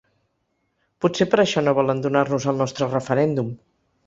Potser per això no volen donar-nos el nostre referèndum.